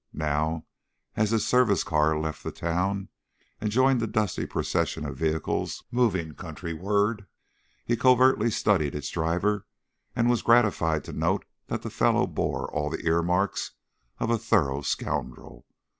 Now, as his service car left the town and joined the dusty procession of vehicles moving country ward, he covertly studied its driver and was gratified to note that the fellow bore all the ear marks of a thorough scoundrel.